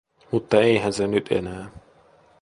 Mutta eihän se nyt enää.